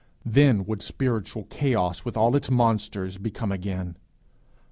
Then would spiritual chaos with all its monsters be come again.